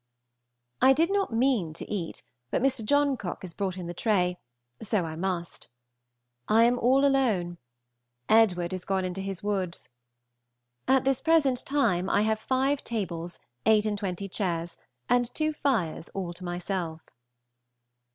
I did not mean to eat, but Mr. Johncock has brought in the tray, so I must. I am all alone. Edward is gone into his woods. At this present time I have five tables, eight and twenty chairs, and two fires all to myself.